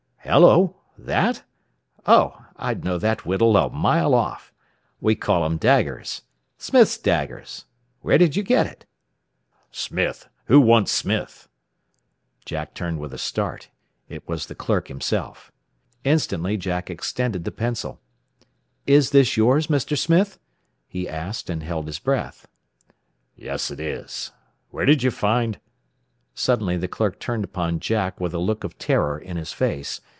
"Hello! That? Oh, I'd know that whittle a mile off. We call 'em daggers Smith's daggers. Where did you get it?" "Smith! Who wants Smith?" Jack turned with a start. It was the clerk himself. Instantly Jack extended the pencil. "Is this yours, Mr. Smith?" he asked, and held his breath. "Yes, it is. Where did you find " Suddenly the clerk turned upon Jack with a look of terror in his face.